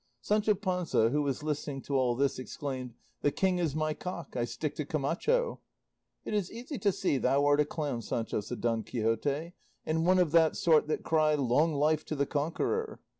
Sancho Panza, who was listening to all this, exclaimed, "The king is my cock; I stick to Camacho." "It is easy to see thou art a clown, Sancho," said Don Quixote, "and one of that sort that cry 'Long life to the conqueror.